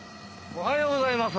おはようございます。